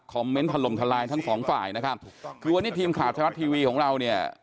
เมนต์ถล่มทลายทั้งสองฝ่ายนะครับคือวันนี้ทีมข่าวไทยรัฐทีวีของเราเนี่ย